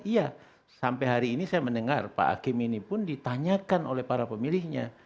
iya sampai hari ini saya mendengar pak hakim ini pun ditanyakan oleh para pemilihnya